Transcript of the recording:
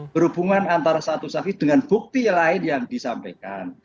berhubungan antara satu saksi dengan bukti lain yang disampaikan